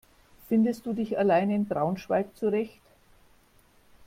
Findest du dich allein in Braunschweig zurecht?